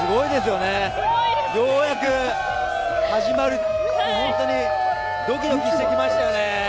ようやく始まるって本当にドキドキしてきましたよね。